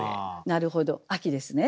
なるほど秋ですね。